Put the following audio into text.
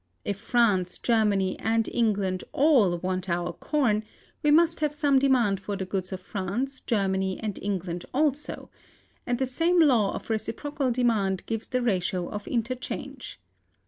If France, Germany, and England all want our corn, we must have some demand for the goods of France, Germany, and England also; and the same law of reciprocal demand gives the ratio of interchange.